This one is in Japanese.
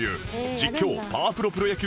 「『実況パワフルプロ野球』！」